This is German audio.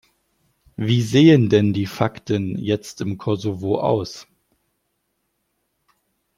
Wie sehen denn die Fakten jetzt im Kosovo aus?